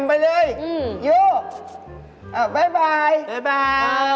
บ๊ายบายบ๊ายบาย